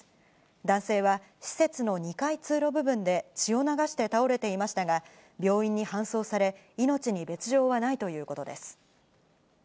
男性は施設の２階通路部分で血を流して倒れていましたが、病院に搬送され、命に別状はないということです。